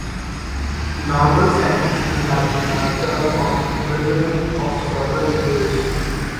The normal sentence would have been a term of imprisonment of several years.